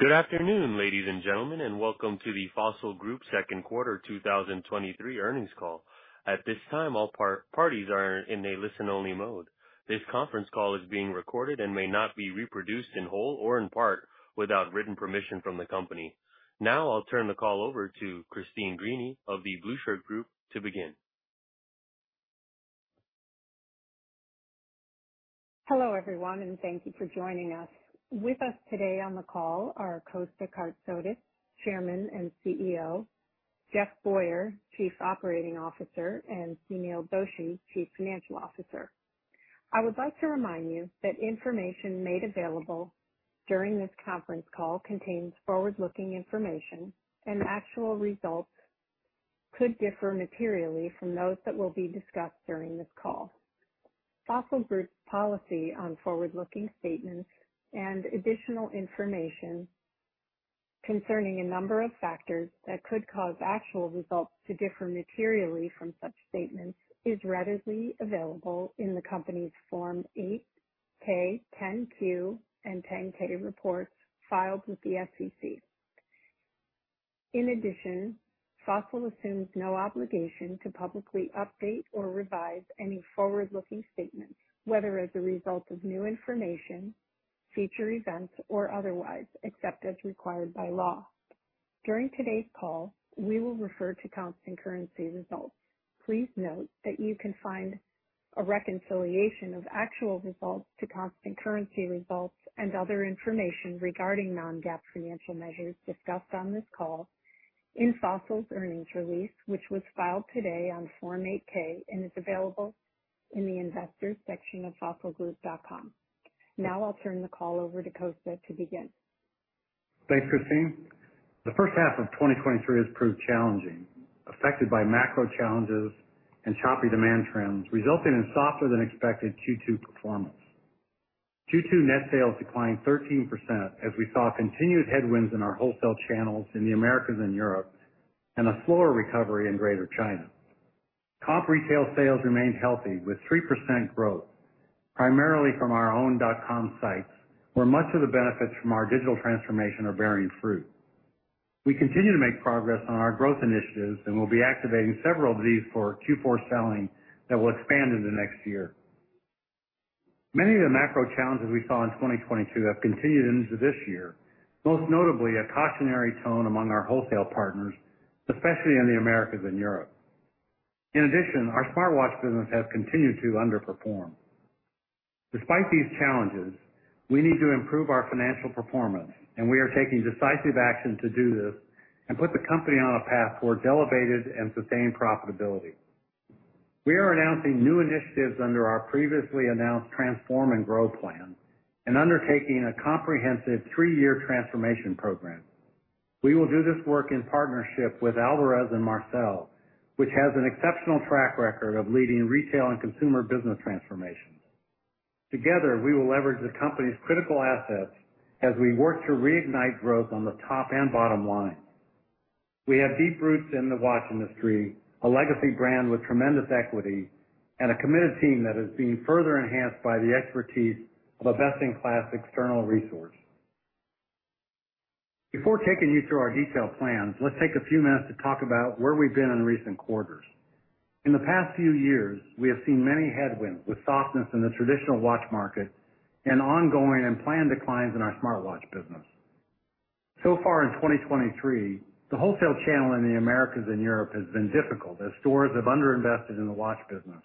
Good afternoon, ladies and gentlemen, and welcome to the Fossil Group second quarter 2023 earnings call. At this time, all parties are in a listen-only mode. This conference call is being recorded and may not be reproduced in whole or in part without written permission from the company. I'll turn the call over to Christine Greany of The Blueshirt Group to begin. Hello, everyone, and thank you for joining us. With us today on the call are Kosta Kartsotis, Chairman and CEO; Jeff Boyer, Chief Operating Officer; and Sunil Doshi, Chief Financial Officer. I would like to remind you that information made available during this conference call contains forward-looking information, and actual results could differ materially from those that will be discussed during this call. Fossil Group's policy on forward-looking statements and additional information concerning a number of factors that could cause actual results to differ materially from such statements, is readily available in the company's Form 8-K, 10-Q, and 10-K reports filed with the SEC. In addition, Fossil assumes no obligation to publicly update or revise any forward-looking statements, whether as a result of new information, future events, or otherwise, except as required by law. During today's call, we will refer to constant currency results. Please note that you can find a reconciliation of actual results to constant currency results and other information regarding non-GAAP financial measures discussed on this call in Fossil's earnings release, which was filed today on Form 8-K and is available in the Investors section of fossilgroup.com. Now I'll turn the call over to Kosta to begin. Thanks, Christine. The first half of 2023 has proved challenging, affected by macro challenges and choppy demand trends, resulting in softer than expected Q2 performance. Q2 net sales declined 13% as we saw continued headwinds in our wholesale channels in the Americas and Europe, and a slower recovery in Greater China. Comp retail sales remained healthy with 3% growth, primarily from our own .com sites, where much of the benefits from our digital transformation are bearing fruit. We continue to make progress on our growth initiatives and will be activating several of these for Q4 selling that will expand in the next year. Many of the macro challenges we saw in 2022 have continued into this year, most notably a cautionary tone among our wholesale partners, especially in the Americas and Europe. In addition, our smartwatch business has continued to underperform. Despite these challenges, we need to improve our financial performance, and we are taking decisive action to do this and put the company on a path towards elevated and sustained profitability. We are announcing new initiatives under our previously announced Transform and Grow Plan, and undertaking a comprehensive three-year transformation program. We will do this work in partnership with Alvarez & Marsal, which has an exceptional track record of leading retail and consumer business transformations. Together, we will leverage the company's critical assets as we work to reignite growth on the top and bottom line. We have deep roots in the watch industry, a legacy brand with tremendous equity, and a committed team that is being further enhanced by the expertise of a best-in-class external resource. Before taking you through our detailed plans, let's take a few minutes to talk about where we've been in recent quarters. In the past few years, we have seen many headwinds, with softness in the traditional watch market and ongoing and planned declines in our smartwatch business. So far in 2023, the wholesale channel in the Americas and Europe has been difficult, as stores have underinvested in the watch business.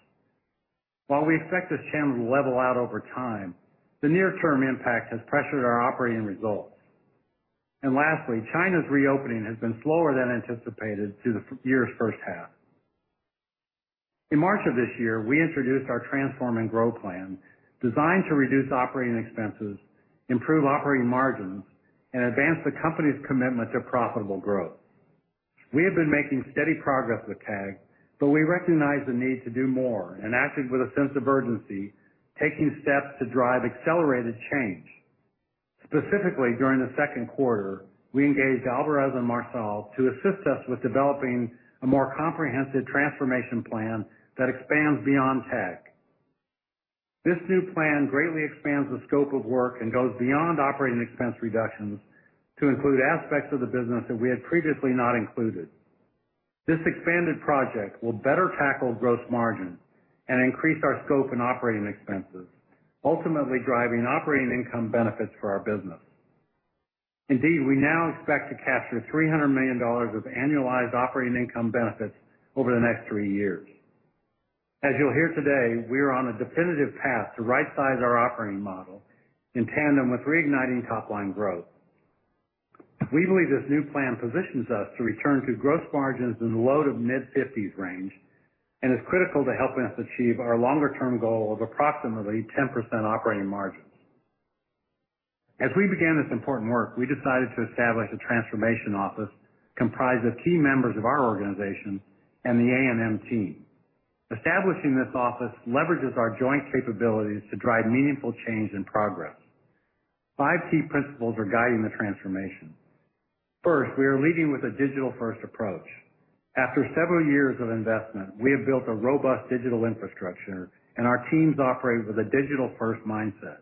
While we expect this channel to level out over time, the near-term impact has pressured our operating results. Lastly, China's reopening has been slower than anticipated through the year's first half. In March of this year, we introduced our Transform and Grow plan, designed to reduce operating expenses, improve operating margins, and advance the company's commitment to profitable growth. We have been making steady progress with TAG, we recognize the need to do more and acted with a sense of urgency, taking steps to drive accelerated change. Specifically, during the second quarter, we engaged Alvarez & Marsal to assist us with developing a more comprehensive transformation plan that expands beyond TAG. This new plan greatly expands the scope of work and goes beyond operating expense reductions to include aspects of the business that we had previously not included. This expanded project will better tackle gross margin and increase our scope in operating expenses, ultimately driving operating income benefits for our business. Indeed, we now expect to capture $300 million of annualized operating income benefits over the next three years. As you'll hear today, we are on a definitive path to rightsize our operating model in tandem with reigniting top-line growth. We believe this new plan positions us to return to gross margins in the low to mid-fifties range and is critical to helping us achieve our longer-term goal of approximately 10% operating margins. As we began this important work, we decided to establish a transformation office comprised of key members of our organization and the A&M team. Establishing this office leverages our joint capabilities to drive meaningful change and progress. Five key principles are guiding the transformation. First, we are leading with a digital-first approach. After several years of investment, we have built a robust digital infrastructure, and our teams operate with a digital-first mindset.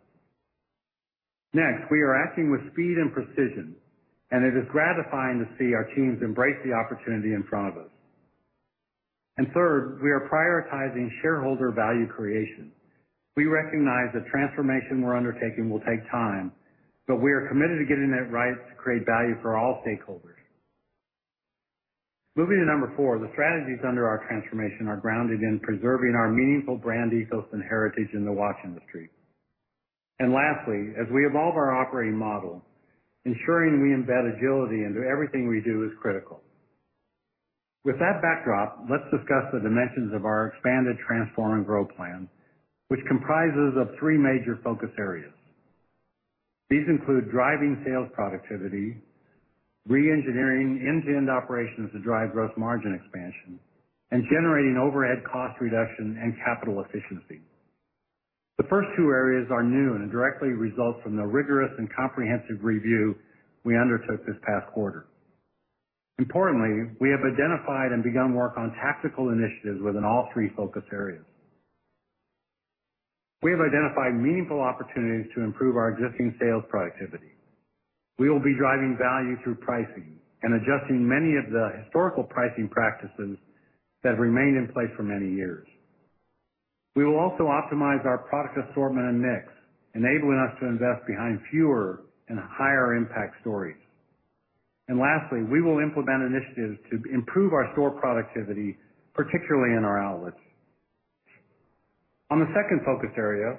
Next, we are acting with speed and precision, and it is gratifying to see our teams embrace the opportunity in front of us. Third, we are prioritizing shareholder value creation. We recognize the transformation we're undertaking will take time, but we are committed to getting it right to create value for all stakeholders. Moving to number four, the strategies under our transformation are grounded in preserving our meaningful brand ethos and heritage in the watch industry. Lastly, as we evolve our operating model, ensuring we embed agility into everything we do is critical. With that backdrop, let's discuss the dimensions of our expanded Transform and Grow plan, which comprises of three major focus areas. These include driving sales productivity, reengineering end-to-end operations to drive gross margin expansion, and generating overhead cost reduction and capital efficiency. The first two areas are new and directly result from the rigorous and comprehensive review we undertook this past quarter. Importantly, we have identified and begun work on tactical initiatives within all three focus areas. We have identified meaningful opportunities to improve our existing sales productivity. We will be driving value through pricing and adjusting many of the historical pricing practices that have remained in place for many years. We will also optimize our product assortment and mix, enabling us to invest behind fewer and higher impact stories. Lastly, we will implement initiatives to improve our store productivity, particularly in our outlets. On the second focus area,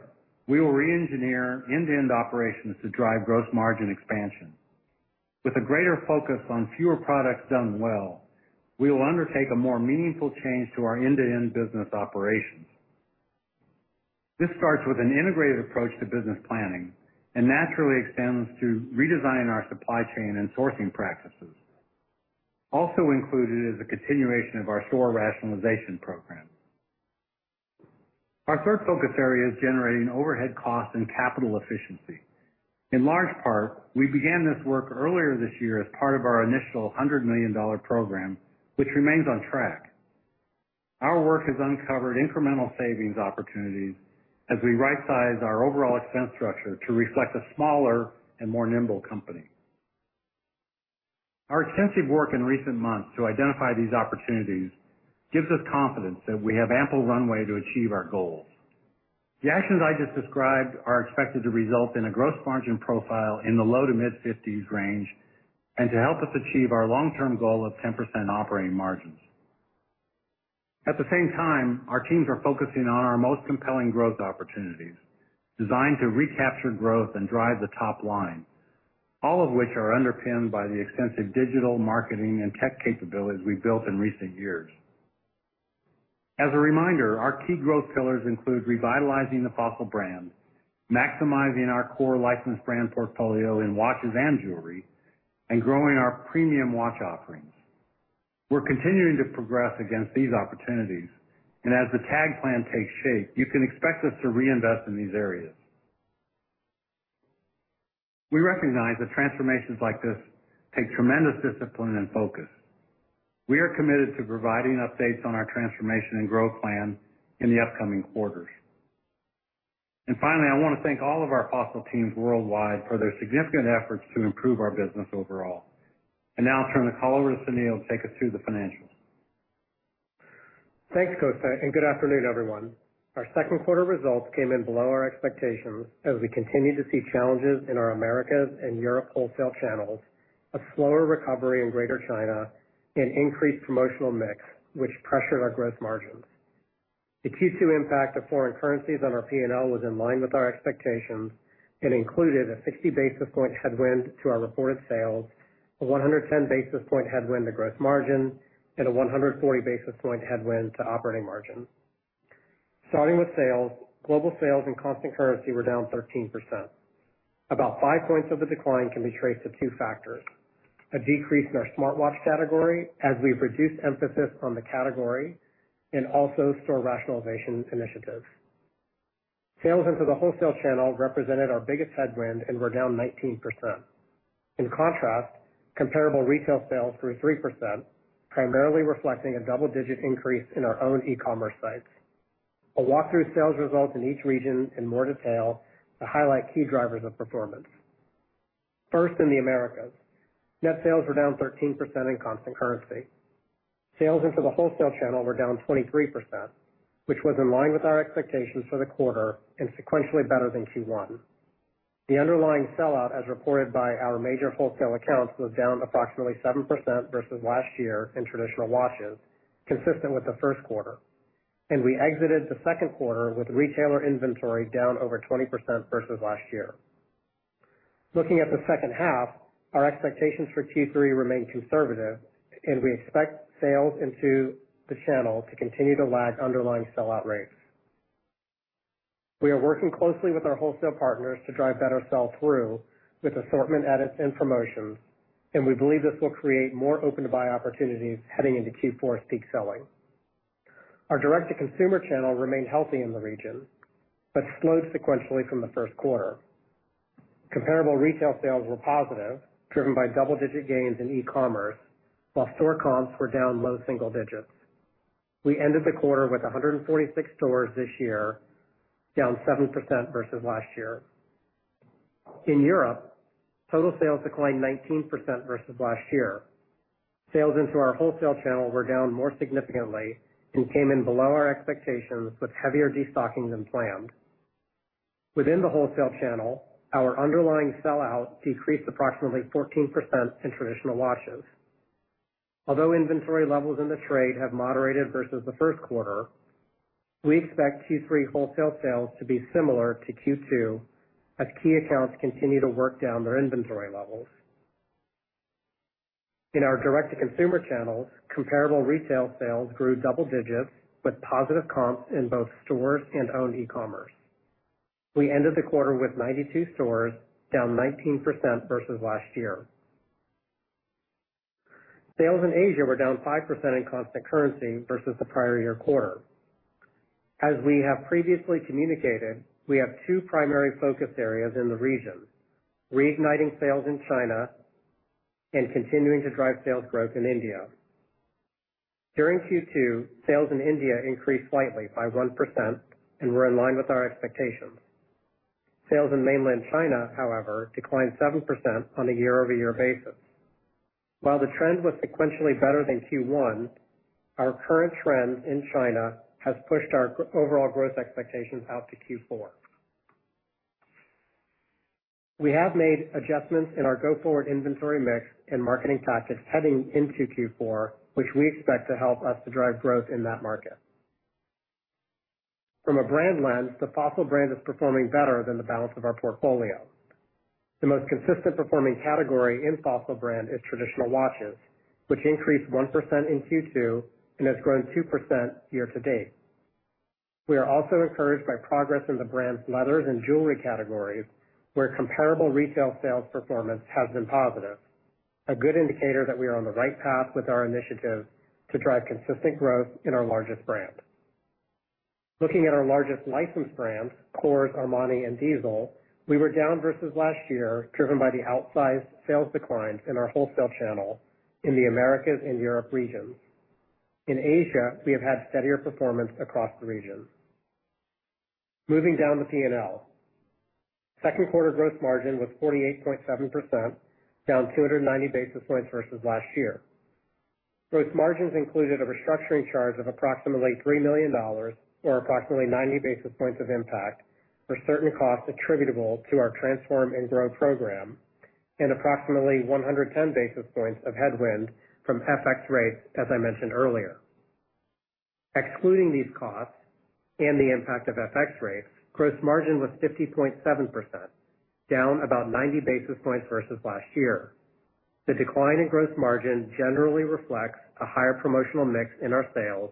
we will reengineer end-to-end operations to drive gross margin expansion. With a greater focus on fewer products done well, we will undertake a more meaningful change to our end-to-end business operations. This starts with an integrated approach to business planning and naturally extends to redesigning our supply chain and sourcing practices. Also included is a continuation of our store rationalization program. Our third focus area is generating overhead costs and capital efficiency. In large part, we began this work earlier this year as part of our initial $100 million program, which remains on track. Our work has uncovered incremental savings opportunities as we rightsize our overall expense structure to reflect a smaller and more nimble company. Our extensive work in recent months to identify these opportunities gives us confidence that we have ample runway to achieve our goals. The actions I just described are expected to result in a gross margin profile in the low to mid-50s range and to help us achieve our long-term goal of 10% operating margins. At the same time, our teams are focusing on our most compelling growth opportunities, designed to recapture growth and drive the top line, all of which are underpinned by the extensive digital marketing and tech capabilities we've built in recent years. As a reminder, our key growth pillars include revitalizing the Fossil brand, maximizing our core licensed brand portfolio in watches and jewelry, and growing our premium watch offerings. We're continuing to progress against these opportunities, and as the TAG plan takes shape, you can expect us to reinvest in these areas. We recognize that transformations like this take tremendous discipline and focus. We are committed to providing updates on our transformation and growth plan in the upcoming quarters. Finally, I want to thank all of our Fossil teams worldwide for their significant efforts to improve our business overall. Now I'll turn the call over to Sunil to take us through the financials. Thanks, Kosta, and good afternoon, everyone. Our second quarter results came in below our expectations as we continued to see challenges in our Americas and Europe wholesale channels, a slower recovery in Greater China, and increased promotional mix, which pressured our gross margins. The Q2 impact of foreign currencies on our PNL was in line with our expectations and included a 60 basis point headwind to our reported sales, a 110 basis point headwind to gross margin, and a 140 basis point headwind to operating margin. Starting with sales, global sales and constant currency were down 13%. About 5 points of the decline can be traced to 2 factors: a decrease in our smartwatch category as we've reduced emphasis on the category and also store rationalization initiatives. Sales into the wholesale channel represented our biggest headwind and were down 19%. In contrast, comparable retail sales grew 3%, primarily reflecting a double-digit increase in our own e-commerce sites. I'll walk through sales results in each region in more detail to highlight key drivers of performance. First, in the Americas, net sales were down 13% in constant currency. Sales into the wholesale channel were down 23%, which was in line with our expectations for the quarter and sequentially better than Q1. The underlying sellout, as reported by our major wholesale accounts, was down approximately 7% versus last year in traditional watches, consistent with the first quarter, and we exited the second quarter with retailer inventory down over 20% versus last year. Looking at the second half, our expectations for Q3 remain conservative, and we expect sales into the channel to continue to lag underlying sellout rates. We are working closely with our wholesale partners to drive better sell-through with assortment edits and promotions, and we believe this will create more open-to-buy opportunities heading into Q4's peak selling. Our direct-to-consumer channel remained healthy in the region, but slowed sequentially from the first quarter. Comparable retail sales were positive, driven by double-digit gains in e-commerce, while store comps were down low single digits. We ended the quarter with 146 stores this year, down 7% versus last year. In Europe, total sales declined 19% versus last year. Sales into our wholesale channel were down more significantly and came in below our expectations with heavier destocking than planned. Within the wholesale channel, our underlying sellout decreased approximately 14% in traditional watches. Although inventory levels in the trade have moderated versus the first quarter, we expect Q3 wholesale sales to be similar to Q2 as key accounts continue to work down their inventory levels. In our direct-to-consumer channels, comparable retail sales grew double digits with positive comps in both stores and owned e-commerce. We ended the quarter with 92 stores, down 19% versus last year. Sales in Asia were down 5% in constant currency versus the prior year quarter. As we have previously communicated, we have two primary focus areas in the region: reigniting sales in China and continuing to drive sales growth in India. During Q2, sales in India increased slightly by 1% and were in line with our expectations. Sales in mainland China, however, declined 7% on a year-over-year basis. While the trend was sequentially better than Q1, our current trend in China has pushed our overall growth expectations out to Q4. We have made adjustments in our go-forward inventory mix and marketing tactics heading into Q4, which we expect to help us to drive growth in that market. From a brand lens, the Fossil brand is performing better than the balance of our portfolio. The most consistent performing category in Fossil brand is traditional watches, which increased 1% in Q2 and has grown 2% year to date. We are also encouraged by progress in the brand's leathers and jewelry categories, where comparable retail sales performance has been positive, a good indicator that we are on the right path with our initiative to drive consistent growth in our largest brand. Looking at our largest licensed brands, Kors, Armani, and Diesel, we were down versus last year, driven by the outsized sales declines in our wholesale channel in the Americas and Europe regions. In Asia, we have had steadier performance across the region. Moving down the PNL. Second quarter gross margin was 48.7%, down 290 basis points versus last year. Gross margins included a restructuring charge of approximately $3 million, or approximately 90 basis points of impact, for certain costs attributable to our Transform and Grow program, and approximately 110 basis points of headwind from FX rates, as I mentioned earlier. Excluding these costs and the impact of FX rates, gross margin was 50.7%, down about 90 basis points versus last year. The decline in gross margin generally reflects a higher promotional mix in our sales,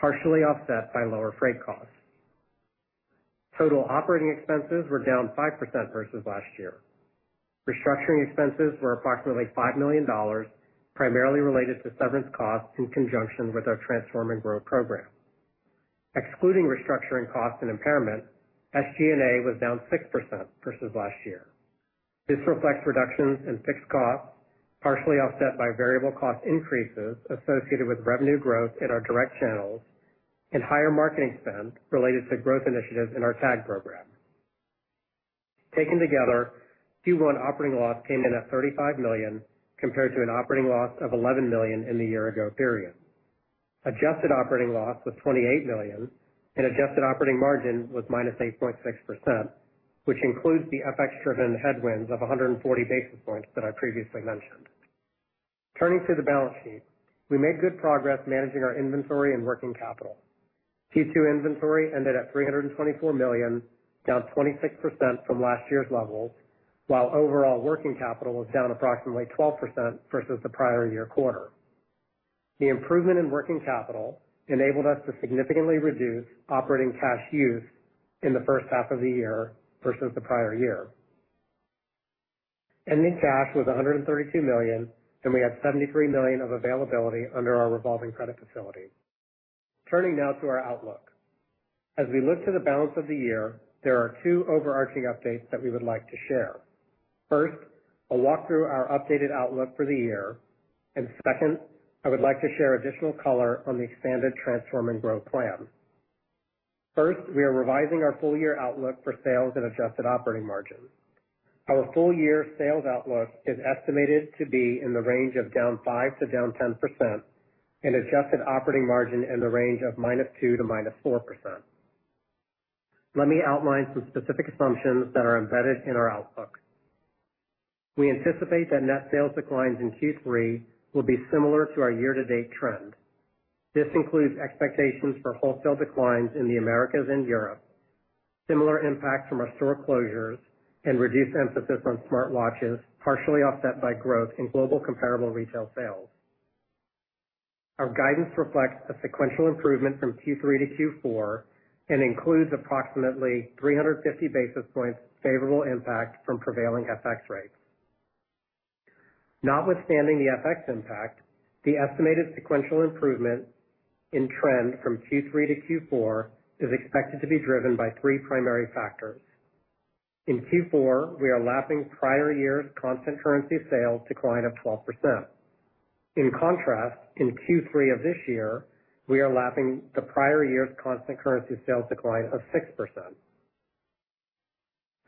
partially offset by lower freight costs. Total operating expenses were down 5% versus last year. Restructuring expenses were approximately $5 million, primarily related to severance costs in conjunction with our Transform and Grow program. Excluding restructuring costs and impairment, SG&A was down 6% versus last year. This reflects reductions in fixed costs, partially offset by variable cost increases associated with revenue growth in our direct channels and higher marketing spend related to growth initiatives in our TAG program. Taken together, Q1 operating loss came in at $35 million, compared to an operating loss of $11 million in the year ago period. Adjusted operating loss was $28 million, and adjusted operating margin was -8.6%, which includes the FX-driven headwinds of 140 basis points that I previously mentioned. Turning to the balance sheet, we made good progress managing our inventory and working capital. Q2 inventory ended at $324 million, down 26% from last year's levels, while overall working capital was down approximately 12% versus the prior year quarter. The improvement in working capital enabled us to significantly reduce operating cash use in the first half of the year versus the prior year. Ending cash was $132 million, and we had $73 million of availability under our revolving credit facility. Turning now to our outlook. As we look to the balance of the year, there are two overarching updates that we would like to share. First, I'll walk through our updated outlook for the year. Second, I would like to share additional color on the expanded Transform and Grow plan. First, we are revising our full year outlook for sales and adjusted operating margin. Our full year sales outlook is estimated to be in the range of -5% to -10% and adjusted operating margin in the range of -2% to -4%. Let me outline some specific assumptions that are embedded in our outlook. We anticipate that net sales declines in Q3 will be similar to our year-to-date trend. This includes expectations for wholesale declines in the Americas and Europe, similar impacts from our store closures and reduced emphasis on smartwatches, partially offset by growth in global comparable retail sales. Our guidance reflects a sequential improvement from Q3 to Q4 and includes approximately 350 basis points favorable impact from prevailing FX rates. notwithstanding the FX impact, the estimated sequential improvement in trend from Q3 to Q4 is expected to be driven by three primary factors. In Q4, we are lapping prior year's constant currency sales decline of 12%. In contrast, in Q3 of this year, we are lapping the prior year's constant currency sales decline of 6%.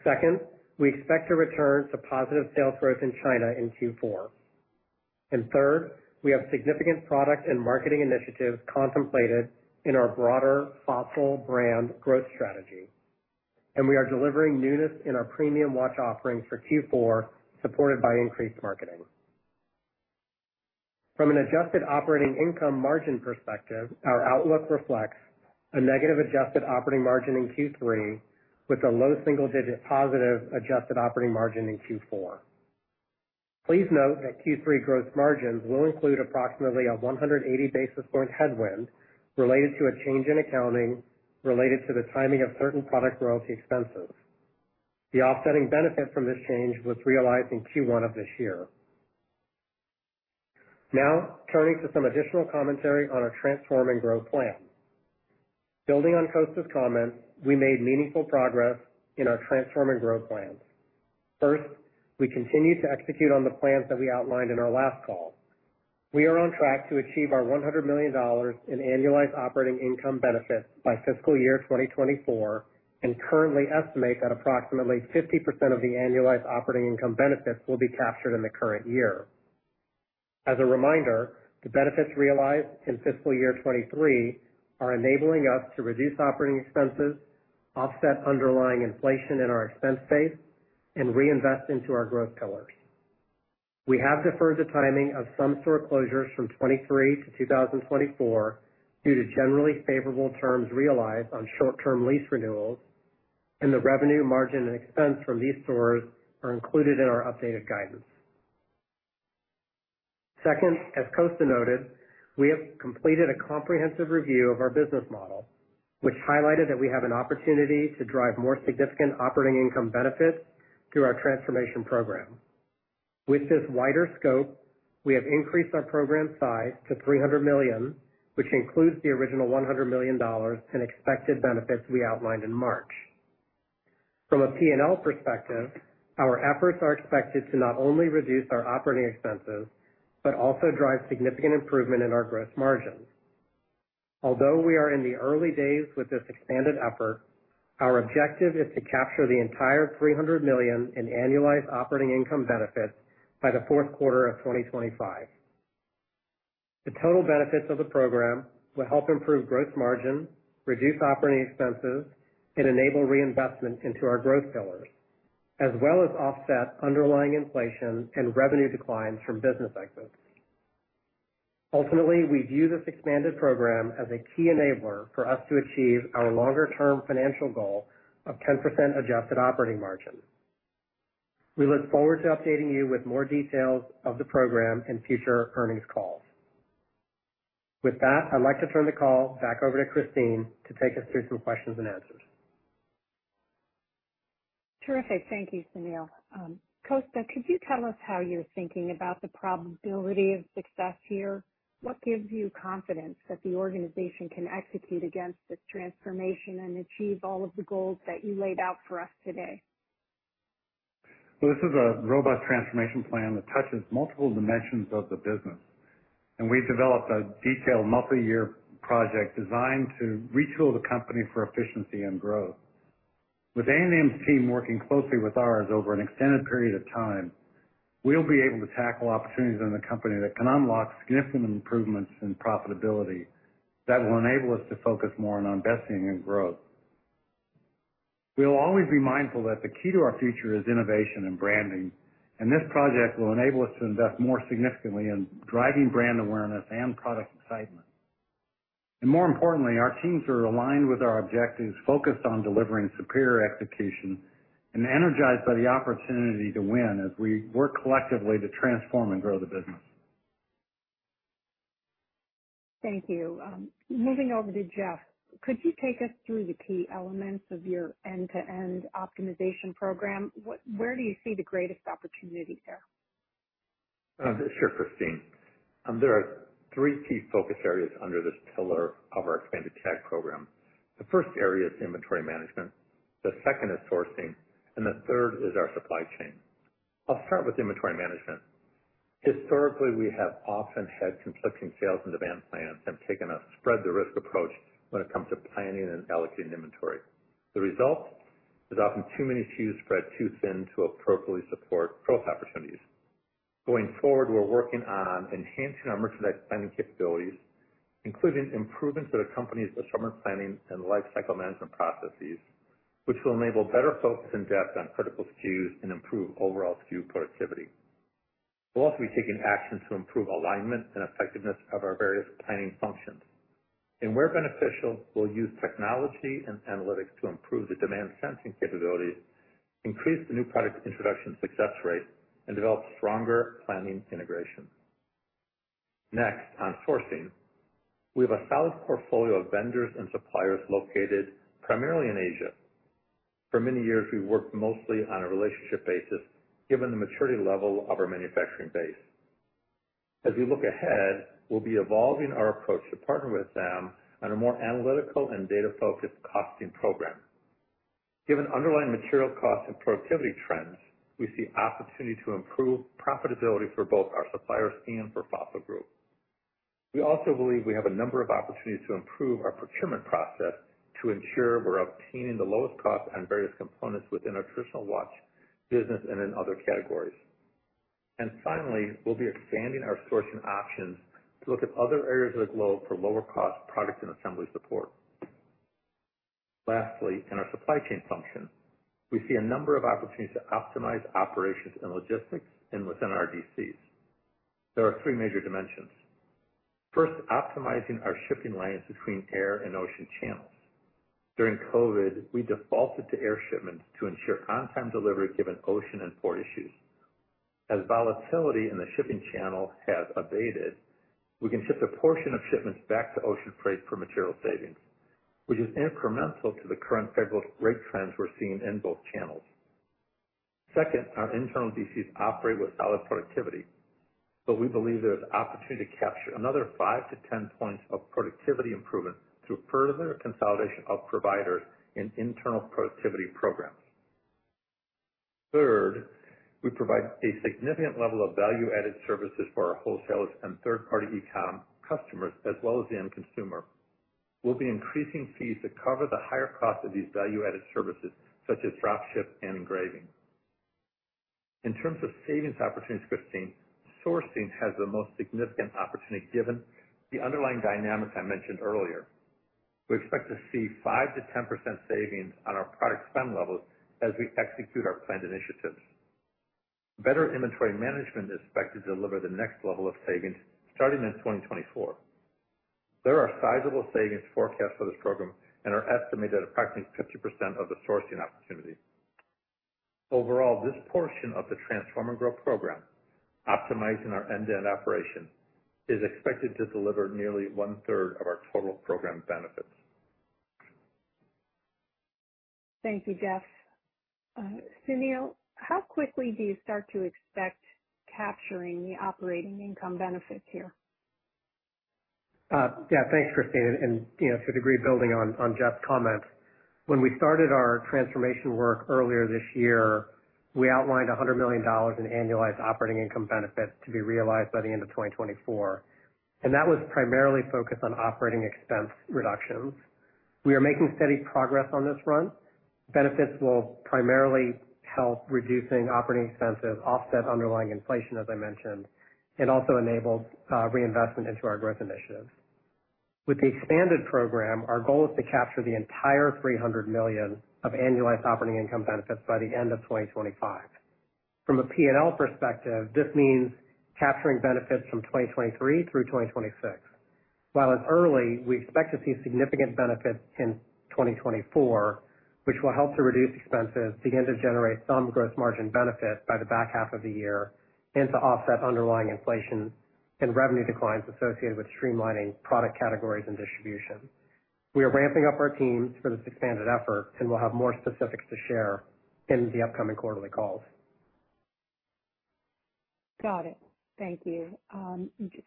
Second, we expect to return to positive sales growth in China in Q4. Third, we have significant product and marketing initiatives contemplated in our broader Fossil brand growth strategy, and we are delivering newness in our premium watch offerings for Q4, supported by increased marketing. From an adjusted operating income margin perspective, our outlook reflects a negative adjusted operating margin in Q3 with a low single-digit positive adjusted operating margin in Q4. Please note that Q3 gross margins will include approximately a 180 basis point headwind related to a change in accounting related to the timing of certain product royalty expenses. The offsetting benefit from this change was realized in Q1 of this year. Turning to some additional commentary on our Transform and Grow plan. Building on Kosta's comments, we made meaningful progress in our Transform and Grow plans. First, we continue to execute on the plans that we outlined in our last call. We are on track to achieve our $100 million in annualized operating income benefits by fiscal year 2024, and currently estimate that approximately 50% of the annualized operating income benefits will be captured in the current year. As a reminder, the benefits realized in fiscal year 2023 are enabling us to reduce operating expenses, offset underlying inflation in our expense base, and reinvest into our growth pillars. We have deferred the timing of some store closures from 2023-2024 due to generally favorable terms realized on short-term lease renewals, and the revenue margin and expense from these stores are included in our updated guidance. Second, as Kosta noted, we have completed a comprehensive review of our business model, which highlighted that we have an opportunity to drive more significant operating income benefits through our transformation program. With this wider scope, we have increased our program size to $300 million, which includes the original $100 million in expected benefits we outlined in March. From a PNL perspective, our efforts are expected to not only reduce our operating expenses, but also drive significant improvement in our gross margins. Although we are in the early days with this expanded effort, our objective is to capture the entire $300 million in annualized operating income benefits by Q4 2025. The total benefits of the program will help improve gross margin, reduce operating expenses, and enable reinvestment into our growth pillars, as well as offset underlying inflation and revenue declines from business exits. Ultimately, we view this expanded program as a key enabler for us to achieve our longer term financial goal of 10% adjusted operating margin. We look forward to updating you with more details of the program in future earnings calls. With that, I'd like to turn the call back over to Christine to take us through some questions and answers. Terrific. Thank you, Sunil. Kosta, could you tell us how you're thinking about the probability of success here? What gives you confidence that the organization can execute against this transformation and achieve all of the goals that you laid out for us today? This is a robust transformation plan that touches multiple dimensions of the business, and we've developed a detailed multi-year project designed to retool the company for efficiency and growth. With A&M's team working closely with ours over an extended period of time, we'll be able to tackle opportunities in the company that can unlock significant improvements in profitability that will enable us to focus more on investing in growth. We'll always be mindful that the key to our future is innovation and branding, and this project will enable us to invest more significantly in driving brand awareness and product excitement. More importantly, our teams are aligned with our objectives, focused on delivering superior execution, and energized by the opportunity to win as we work collectively to Transform and Grow the business. Thank you. Moving over to Jeff, could you take us through the key elements of your end-to-end optimization program? Where do you see the greatest opportunities there? Sure, Christine. There are three key focus areas under this pillar of our expanded TAG program. The first area is inventory management, the second is sourcing, and the third is our supply chain. I'll start with inventory management. Historically, we have often had conflicting sales and demand plans and taken a spread the risk approach when it comes to planning and allocating inventory. The result is often too many SKUs spread too thin to appropriately support growth opportunities. Going forward, we're working on enhancing our merchandise planning capabilities, including improvements to the company's assortment planning and lifecycle management processes, which will enable better focus and depth on critical SKUs and improve overall SKU productivity. We'll also be taking action to improve alignment and effectiveness of our various planning functions. Where beneficial, we'll use technology and analytics to improve the demand sensing capabilities, increase the new product introduction success rate, and develop stronger planning integration. Next, on sourcing, we have a solid portfolio of vendors and suppliers located primarily in Asia. For many years, we've worked mostly on a relationship basis, given the maturity level of our manufacturing base. As we look ahead, we'll be evolving our approach to partner with them on a more analytical and data-focused costing program. Given underlying material costs and productivity trends, we see opportunity to improve profitability for both our supplier scheme for Fossil Group. We also believe we have a number of opportunities to improve our procurement process to ensure we're obtaining the lowest cost on various components within our traditional watch business and in other categories. Finally, we'll be expanding our sourcing options to look at other areas of the globe for lower cost product and assembly support. Lastly, in our supply chain function, we see a number of opportunities to optimize operations and logistics and within our DCs. There are three major dimensions. First, optimizing our shipping lanes between air and ocean channels. During COVID, we defaulted to air shipments to ensure on-time delivery, given ocean and port issues. As volatility in the shipping channel has abated, we can ship a portion of shipments back to ocean freight for material savings, which is incremental to the current favorable rate trends we're seeing in both channels. Second, our internal DCs operate with solid productivity, but we believe there is opportunity to capture another 5 points-10 points of productivity improvement through further consolidation of providers in internal productivity programs. Third, we provide a significant level of value-added services for our wholesalers and third-party e-com customers, as well as the end consumer. We'll be increasing fees to cover the higher cost of these value-added services, such as drop ship and engraving. In terms of savings opportunities, Christine, sourcing has the most significant opportunity, given the underlying dynamics I mentioned earlier. We expect to see 5%-10% savings on our product spend levels as we execute our planned initiatives. Better inventory management is expected to deliver the next level of savings starting in 2024. There are sizable savings forecast for this program and are estimated at approximately 50% of the sourcing opportunity. Overall, this portion of the Transform and Grow program, optimizing our end-to-end operation, is expected to deliver nearly one third of our total program benefits. Thank you, Jeff. Sunil, how quickly do you start to expect capturing the operating income benefits here? Yeah, thanks, Christine, and, you know, to degree building on Jeff's comment, when we started our transformation work earlier this year, we outlined $100 million in annualized operating income benefits to be realized by the end of 2024, and that was primarily focused on operating expense reductions. We are making steady progress on this front. Benefits will primarily help reducing operating expenses, offset underlying inflation, as I mentioned, and also enable reinvestment into our growth initiatives. With the expanded program, our goal is to capture the entire $300 million of annualized operating income benefits by the end of 2025. From a P&L perspective, this means capturing benefits from 2023 through 2026. While it's early, we expect to see significant benefits in 2024, which will help to reduce expenses, begin to generate some gross margin benefit by the back half of the year, and to offset underlying inflation and revenue declines associated with streamlining product categories and distribution. We are ramping up our teams for this expanded effort, and we'll have more specifics to share in the upcoming quarterly calls. Got it. Thank you.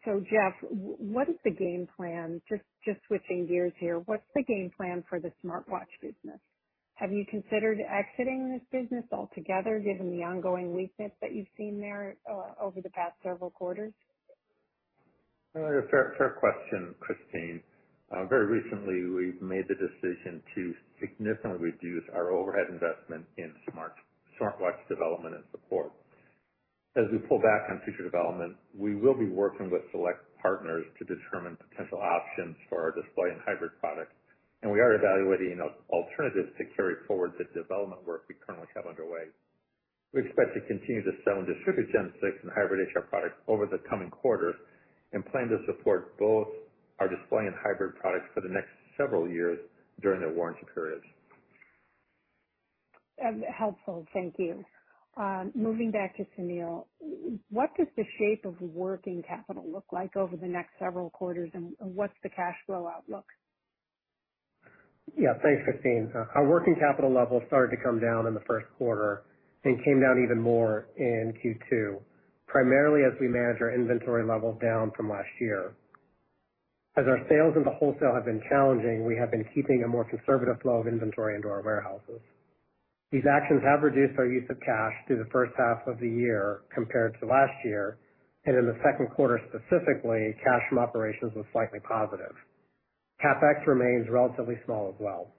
Jeff, what is the game plan, just, just switching gears here, what's the game plan for the smartwatch business? Have you considered exiting this business altogether, given the ongoing weakness that you've seen there, over the past several quarters? Fair, fair question, Christine Greany. Very recently, we've made the decision to significantly reduce our overhead investment in smart, smartwatch development and support. As we pull back on future development, we will be working with select partners to determine potential options for our display and hybrid products, and we are evaluating alternatives to carry forward the development work we currently have underway. We expect to continue to sell and distribute Gen 6 and Hybrid HR products over the coming quarters and plan to support both our display and hybrid products for the next several years during their warranty periods. Helpful. Thank you. Moving back to Sunil, what does the shape of working capital look like over the next several quarters, and, and what's the cash flow outlook? Yeah. Thanks, Christine. Our working capital levels started to come down in the first quarter and came down even more in Q2, primarily as we managed our inventory levels down from last year. As our sales in the wholesale have been challenging, we have been keeping a more conservative flow of inventory into our warehouses. These actions have reduced our use of cash through the first half of the year compared to last year, and in the second quarter, specifically, cash from operations was slightly positive. CapEx remains relatively small as well.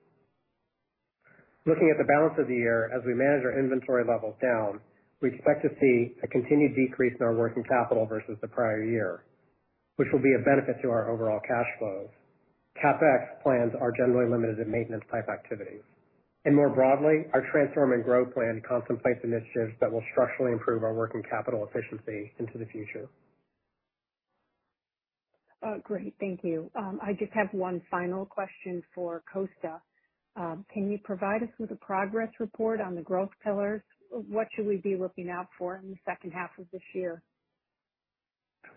Looking at the balance of the year, as we manage our inventory levels down, we expect to see a continued decrease in our working capital versus the prior year, which will be a benefit to our overall cash flows. CapEx plans are generally limited to maintenance-type activities. More broadly, our Transform and Grow plan contemplates initiatives that will structurally improve our working capital efficiency into the future. Great. Thank you. I just have one final question for Kosta. Can you provide us with a progress report on the growth pillars? What should we be looking out for in the second half of this year?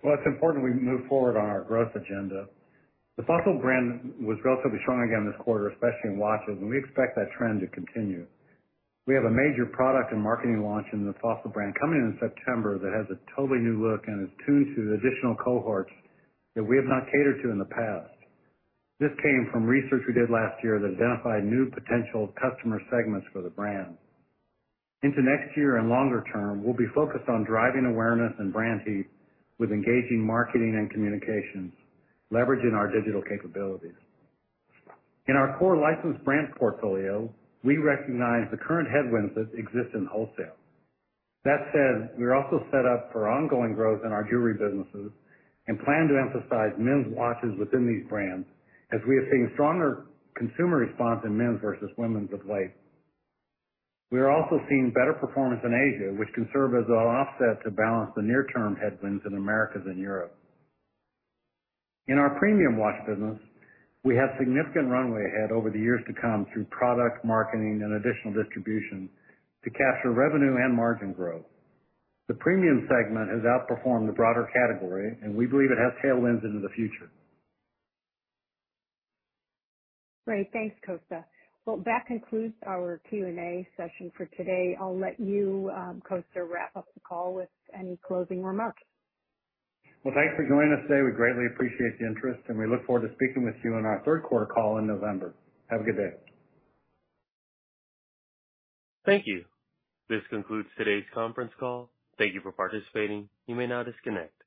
Well, it's important we move forward on our growth agenda. The Fossil brand was relatively strong again this quarter, especially in watches, and we expect that trend to continue. We have a major product and marketing launch in the Fossil brand coming in September that has a totally new look and is tuned to additional cohorts that we have not catered to in the past. This came from research we did last year that identified new potential customer segments for the brand. Into next year and longer term, we'll be focused on driving awareness and brand heat with engaging marketing and communications, leveraging our digital capabilities. In our core licensed brand portfolio, we recognize the current headwinds that exist in wholesale. That said, we're also set up for ongoing growth in our jewelry businesses and plan to emphasize men's watches within these brands, as we are seeing stronger consumer response in men's versus women's of late. We are also seeing better performance in Asia, which can serve as an offset to balance the near-term headwinds in Americas and Europe. In our premium watch business, we have significant runway ahead over the years to come through product, marketing, and additional distribution to capture revenue and margin growth. The premium segment has outperformed the broader category, and we believe it has tailwinds into the future. Great. Thanks, Kosta. Well, that concludes our Q&A session for today. I'll let you, Kosta, wrap up the call with any closing remarks. Well, thanks for joining us today. We greatly appreciate the interest, and we look forward to speaking with you on our third quarter call in November. Have a good day. Thank you. This concludes today's conference call. Thank you for participating. You may now disconnect.